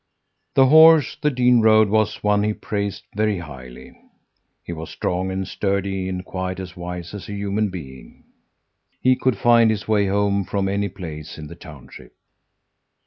"The horse the dean rode was one he prized very highly. He was strong and sturdy, and quite as wise as a human being. He could find his way home from any place in the township.